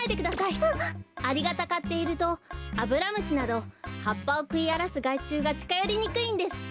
アリがたかっているとアブラムシなどはっぱをくいあらすがいちゅうがちかよりにくいんです。